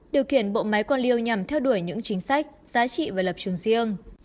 điều khiển bộ máy quan liêu nhằm theo đuổi những chính sách giá trị và lập trường riêng